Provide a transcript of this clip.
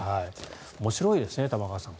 面白いですね玉川さん。